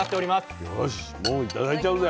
よしもう頂いちゃうぜ。